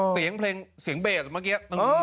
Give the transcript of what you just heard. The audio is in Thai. เสียงเพลงเสียงเบสเมื่อกี้